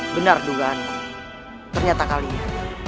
benar dugaan ternyata kali ini